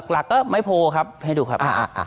หลักก็ไม่โพลครับให้ดูครับ